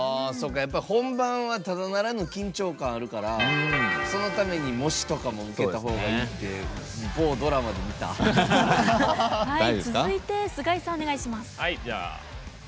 本番はただならぬ緊張感があるからそのために模試とかも受けたほうがいいって続いて須貝さんお願いします。